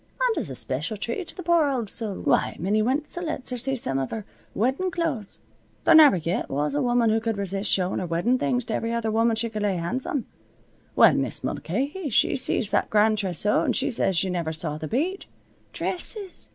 And as a special treat to the poor owld soul, why Minnie Wenzel lets her see some av her weddin' clo'es. There never yet was a woman who cud resist showin' her weddin' things to every other woman she cud lay hands on. Well, Mis' Mulcahy, she see that grand trewsow and she said she never saw th' beat. Dresses!